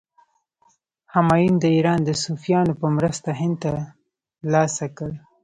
همایون د ایران د صفویانو په مرسته هند تر لاسه کړ.